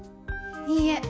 いいえ。